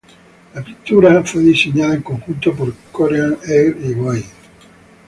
La pintura fue diseñada en conjunto por Korean Air y Boeing.